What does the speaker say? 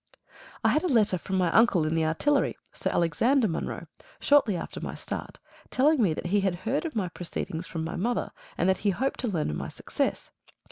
I had a letter from my uncle in the Artillery, Sir Alexander Munro, shortly after my start, telling me that he had heard of my proceedings from my mother, and that he hoped to learn of my success.